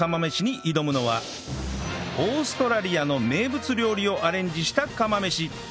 オーストラリアの名物料理をアレンジした釜飯